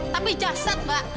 tapi jasad mbak